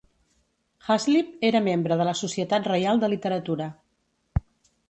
Haslip era membre de la Societat Reial de Literatura.